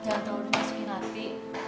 jangan tahu udah masukin latih